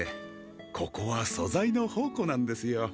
ここは素材の宝庫なんですよ